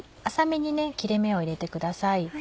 浅めに切れ目を入れてください。